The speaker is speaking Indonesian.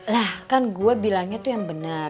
lah kan gue bilangnya tuh yang benar